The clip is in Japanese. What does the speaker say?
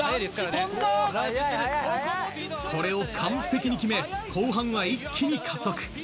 これを完璧に決め、後半は一気に加速。